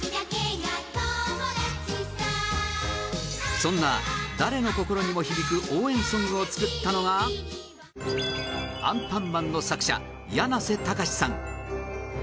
そんな、誰の心にも響く応援ソングを作ったのが『アンパンマン』の作者やなせたかしさん